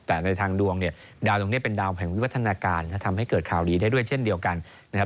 แต่ในทางดวงเนี่ยดาวตรงนี้เป็นดาวแห่งวิวัฒนาการทำให้เกิดข่าวดีได้ด้วยเช่นเดียวกันนะครับ